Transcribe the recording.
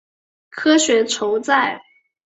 科学酬载